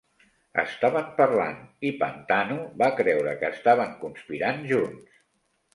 Estaven parlant, i Pantano va creure que estaven conspirant junts.